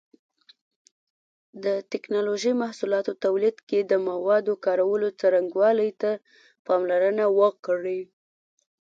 د ټېکنالوجۍ محصولاتو تولید کې د موادو کارولو څرنګوالي ته پاملرنه وکړئ.